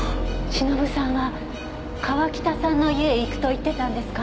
忍さんは川喜多さんの家へ行くと言ってたんですか？